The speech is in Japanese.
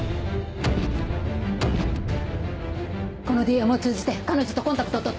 このＤＭを通じて彼女とコンタクトを取って。